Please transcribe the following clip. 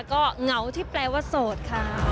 ก็เหงาที่แปลว่าโสดค่ะ